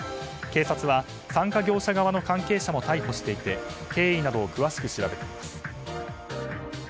警察は参加業者側の関係者も逮捕していて経緯などを詳しく調べています。